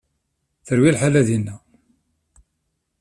Terwi lḥala dinna.